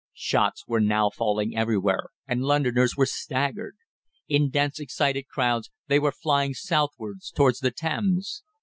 Shots were now falling everywhere, and Londoners were staggered. In dense, excited crowds they were flying southwards towards the Thames.